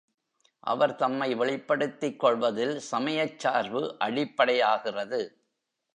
அவர் தம்மை வெளிப்படுத்திக் கொள்வதில் சமயச் சார்பு அடிப்படையாகிறது.